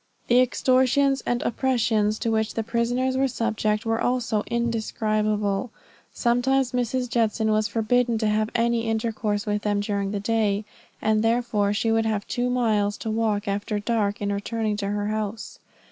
The extortions and oppressions to which the prisoners were subject were also indescribable. Sometimes Mrs. Judson was forbidden to have any intercourse with them during the day; and therefore she would have two miles to walk after dark, in returning to her house.